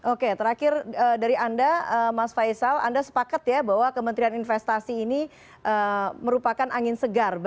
oke terakhir dari anda mas faisal anda sepakat ya bahwa kementerian investasi ini merupakan angin segar